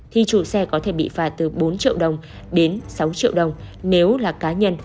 thì chủ xe có thể bị phạt từ bốn triệu đồng đến sáu triệu đồng nếu là cá nhân